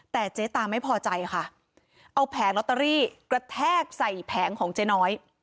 แต่เจ๊ตาไม่พอใจค่ะเอาแผงลอตเตอรี่กระแทกใส่แผงของเจ๊น้อย